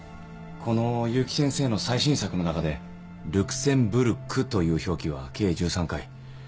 この結城先生の最新作の中で「ルクセンブルク」という表記は計１３回。